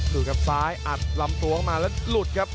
ดูครับซ้ายอัดลำตัวเข้ามาแล้วหลุดครับ